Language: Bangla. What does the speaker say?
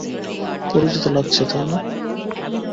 পরিচিত লাগছে তাই না?